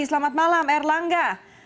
selamat malam erlangga